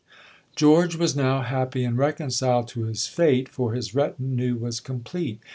George was now happy and reconciled to his fate, for his retinue was complete.